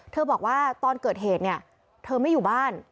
เธอบอกว่าตอนเกิดเหตุเธอไม่อยู่บ้าน